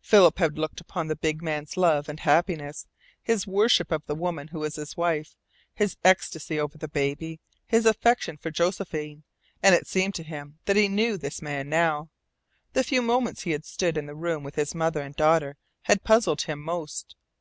Philip had looked upon the big man's love and happiness, his worship of the woman who was his wife, his ecstasy over the baby, his affection for Josephine, and it seemed to him that he KNEW this man now. The few moments he had stood in the room with mother and daughter had puzzled him most.